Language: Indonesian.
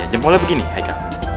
jempolnya begini haikal